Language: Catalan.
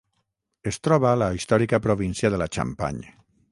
Es troba a la històrica província de la Champagne.